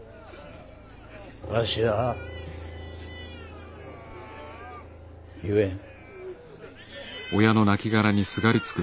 わしは言えん。